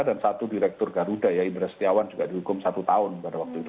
dan satu direktur garuda ibra setiawan juga dihukum satu tahun pada waktu itu